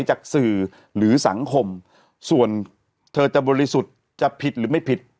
จากสื่อหรือสังคมส่วนเธอจะบริสุทธิ์จะผิดหรือไม่ผิด